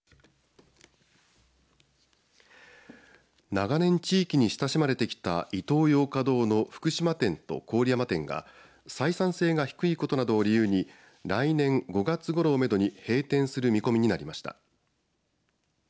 長年地域に親しまれてきたイトーヨーカドーの福島店と郡山店が採算性が低いことなどを理由に来年５月ごろをめどに閉店する見込みになりました。